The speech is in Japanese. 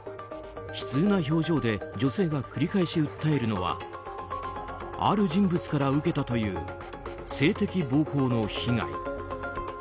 悲痛な表情で女性が繰り返し訴えるのはある人物から受けたという性的暴行の被害。